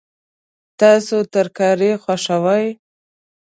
تاسو ترکاري خوښوئ؟